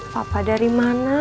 papa dari mana